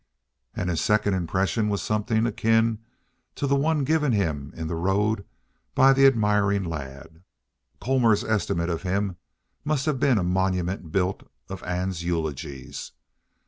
And his second impression was something akin to the one given him in the road by the admiring lad. Colmor's estimate of him must have been a monument built of Ann's eulogies.